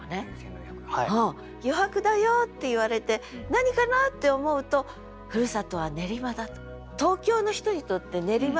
余白だよって言われて何かな？って思うと故郷は練馬だと。